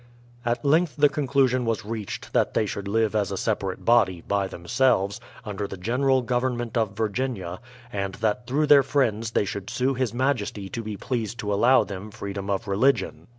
At length the conclusion was reached that they should live as a separate body, by themselves, under the general government of Virginia; and that through their friends they should sue his majesty to be pleased to allow them freedom of religion.